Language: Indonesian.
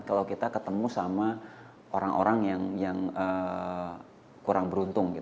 kalau kita ketemu sama orang orang yang kurang beruntung